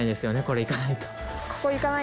これ行かないと。